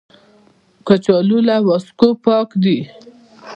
کچالو له وازګو پاک دي